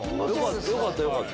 よかったよかった。